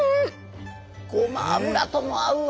ごま油とも合うわ。